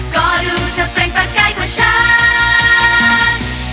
ก็รู้จะเปลี่ยนประใกล้กว่าฉัน